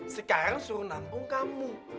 sekarang suruh nampung kamu